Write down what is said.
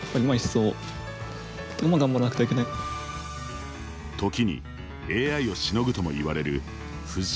時にＡＩをしのぐとも言われる藤井の神の一手。